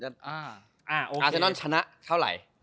อาร์แซนอนชนะเท่าไร